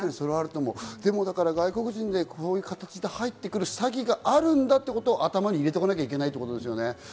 でも外国人でこういう形で入ってくる詐欺があるんだということを頭に入れとかなきゃいけないってことですよね。